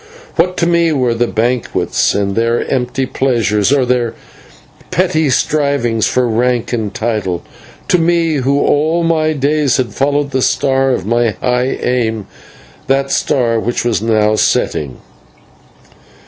What to me were their banquets and their empty pleasures, or their petty strivings for rank and title to me who all my days had followed the star of my high aim, that star which now was setting.